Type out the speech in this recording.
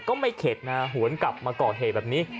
ไม่เข็ดนะหวนกลับมาก่อเหตุแบบนี้